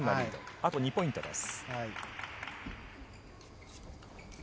あと２ポイントです。